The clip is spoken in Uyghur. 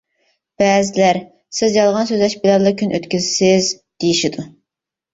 بەزىلەر، سىز يالغان سۆزلەش بىلەنلا كۈن ئۆتكۈزىسىز، دېيىشىدۇ.